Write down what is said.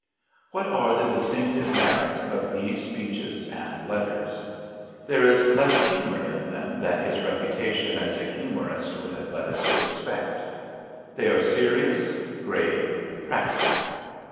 What are the distinctive merits of these speeches and letters? There is less humour in them than his reputation as a humorist would have led us to expect. They are serious, grave, practical.